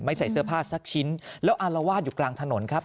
ใส่เสื้อผ้าสักชิ้นแล้วอารวาสอยู่กลางถนนครับ